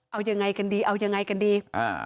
เอายังไงกันดีเอายังไงกันดี